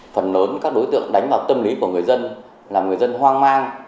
phần lớn các đối tượng đánh vào tâm lý của người dân làm người dân hoang mang